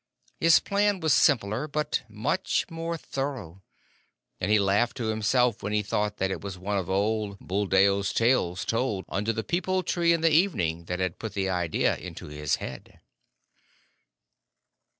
His plan was simpler but much more thorough; and he laughed to himself when he thought that it was one of old Buldeo's tales told under the peepul tree in the evening that had put the idea into his head.